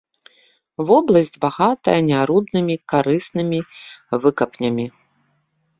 Вобласць багатая няруднымі карыснымі выкапнямі.